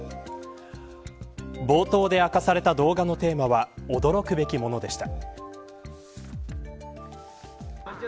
冒頭で明かされた動画のテーマは驚くべきものでした。